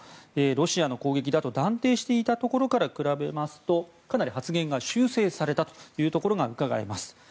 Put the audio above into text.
ロシアの攻撃だと断定していたところから比べますとかなり発言が修正されたところがうかがえます。